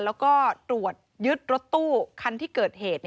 แล้วก็ตรวจยึดรถตู้คันที่เกิดเหตุ